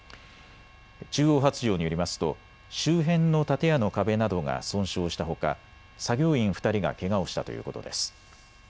中央発條によりますと周辺の建屋の壁などが損傷したほか作業員２人がけがをしたということです。